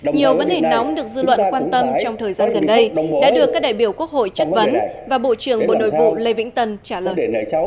nhiều vấn đề nóng được dư luận quan tâm trong thời gian gần đây đã được các đại biểu quốc hội chất vấn và bộ trưởng bộ nội vụ lê vĩnh tân trả lời